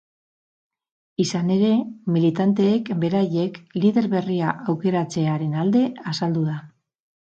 Izan ere, militanteek beraiek lider berria aukeratzearen alde azaldu da.